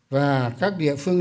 và các địa phương